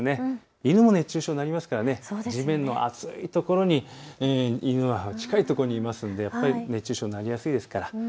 犬も熱中症になりますから地面の熱いところに、犬は近いところにいますから、熱中症になりやすいです。